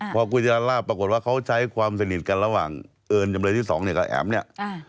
พอคุณจะลาล่าปรากฏว่าเขาใช้ความสนิทกันระหว่างเอิญจำเลยที่สองเนี่ยกับแอ๋มเนี่ย